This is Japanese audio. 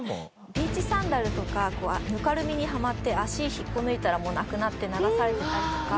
ビーチサンダルとかぬかるみにはまって足引っこ抜いたらもうなくなって流されてたりとか。